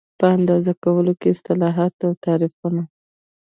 په اندازه کولو کې اصطلاحات او تعریفونه